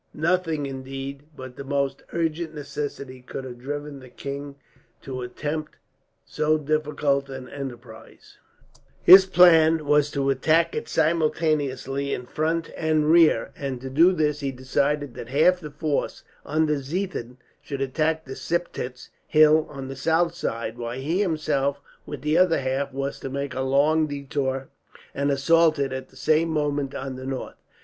Nothing, indeed, but the most urgent necessity could have driven the king to attempt so difficult an enterprise. [Map: Battle of Torgau] His plan was to attack it simultaneously in front and rear; and to do this he decided that half the force, under Ziethen, should attack the Siptitz hill on the south side; while he himself, with the other half, was to make a long detour and assault it, at the same moment, on the north.